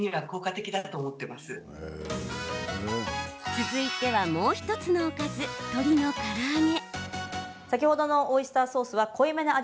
続いては、もう１つのおかず鶏のから揚げ。